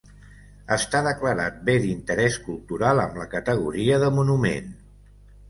Està declarat Bé d'Interès Cultural, amb la categoria de Monument.